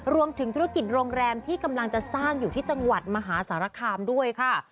รวมถึงธุรกิจโรงแรมที่กำลังจะสร้างอยู่ที่จังหวัดมหาสารคามด้วยค่ะ